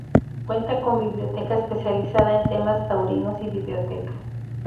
Cuenta con biblioteca especializada en temas taurinos y videoteca.